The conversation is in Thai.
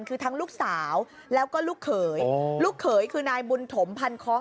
คือทั้งลูกสาวแล้วก็ลูกเขยลูกเขยคือนายบุญถมพันคล้อง